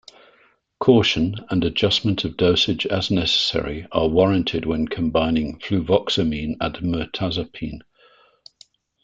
Caution and adjustment of dosage as necessary are warranted when combining fluvoxamine and mirtazapine.